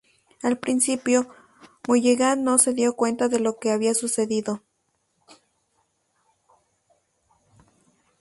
Al principio, Mulligan no se dio cuenta de lo que le había sucedido.